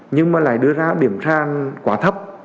nhưng mà lại đưa ra điểm sàn quá thấp